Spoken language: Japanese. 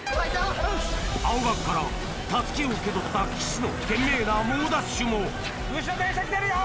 青学から襷を受け取った岸の懸命な猛ダッシュも後ろ電車来てるよ！